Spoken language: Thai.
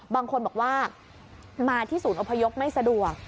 บางคนบอกว่ามาที่ศูนย์อพยพไม่สะดวก